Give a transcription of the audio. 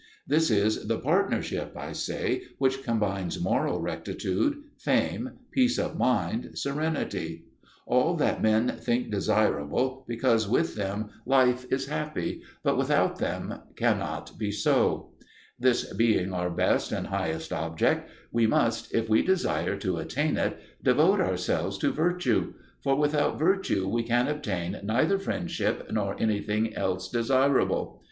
This is the partnership, I say, which combines moral rectitude, fame, peace of mind, serenity: all that men think desirable because with them life is happy, but without them cannot be so. This being our best and highest object, we must, if we desire to attain it, devote ourselves to virtue; for without virtue we can obtain neither friendship nor anything else desirable.